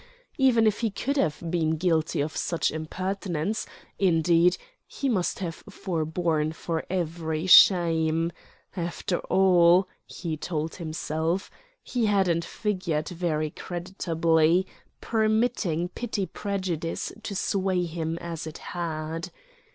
Even if he could have been guilty of such impertinence, indeed, he must have forborne for very shame. After all (he told himself) he hadn't figured very creditably, permitting petty prejudice to sway him as it had.